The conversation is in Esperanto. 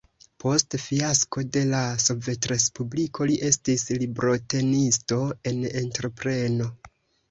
Post fiasko de la Sovetrespubliko li estis librotenisto en entrepreno.